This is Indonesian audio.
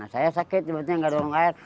saya sakit sebetulnya nggak dorong air